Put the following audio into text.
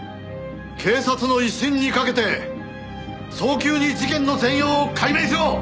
警察の威信に懸けて早急に事件の全容を解明しろ！